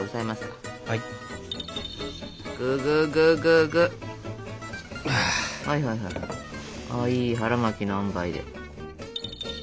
かわいい腹巻きのあんばいで。